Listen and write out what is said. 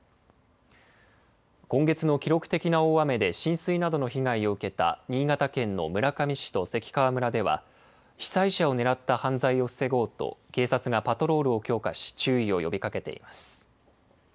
今月の記録的な大雨で、浸水などの被害を受けた新潟県の村上市と関川村では、被災者を狙った犯罪を防ごうと警察がパトロールを強化し、注意を呼びかけています。